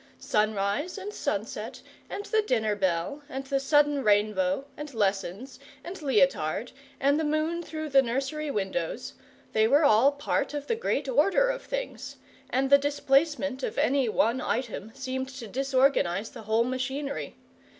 Sunrise and sunset, and the dinner bell, and the sudden rainbow, and lessons, and Leotard, and the moon through the nursery windows they were all part of the great order of things, and the displacement of any one item seemed to disorganize the whole machinery.